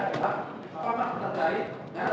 anta yang berhasil kajian